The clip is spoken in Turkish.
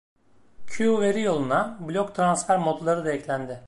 Q-veri yoluna blok transfer modları da eklendi.